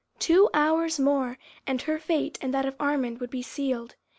Two hours more, and her fate and that of Armand would be sealed.